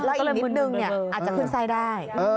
แล้วอีกนิดนึงอาจจะขึ้นไส้ได้